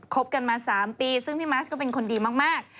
บกันมา๓ปีซึ่งพี่มัสก็เป็นคนดีมาก